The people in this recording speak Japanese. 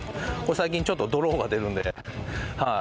最近ちょっとドローが出るのではい。